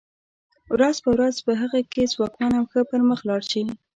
ورځ په ورځ په هغه کې ځواکمن او ښه پرمخ لاړ شي.